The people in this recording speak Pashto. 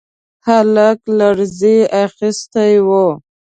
هلک لړزې اخيستی و.